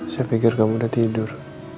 saya pikir kamu udah tidur